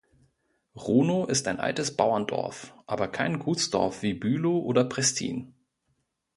Runow ist ein altes Bauerndorf, aber kein Gutsdorf wie Bülow und Prestin.